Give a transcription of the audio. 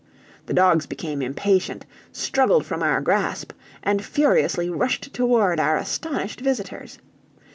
The dogs became impatient, struggled from our grasp, and furiously rushed toward our astonished visitors.